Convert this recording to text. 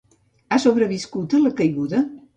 Ha sobreviscut a la caiguda?